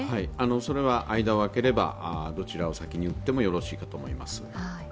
それは間をあければどちらを先に打ってもよろしいかと思います。